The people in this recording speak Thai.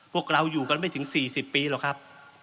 พวกเราอยู่กันไม่ถึง๔๐ปีหรอกครับ